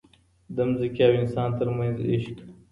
د ځمکې او انسان ترمنځ عشق.